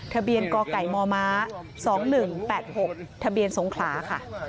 ทะเบียนกอไก่มอม้าสองหนึ่งแปดหกทะเบียนสงขลาค่ะ